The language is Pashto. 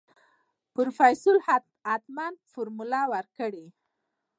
پروفيسر حتمن فارموله ورکړې.